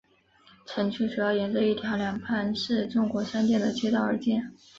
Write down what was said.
城区主要沿着一条两旁是中国商店的街道而建。